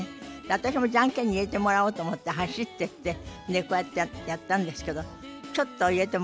私もジャンケンに入れてもらおうと思って走ってってこうやってやったんですけどちょっと入れてもらえなくて。